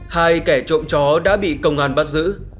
hai kẻ trộm chó đã bị công an bắt giữ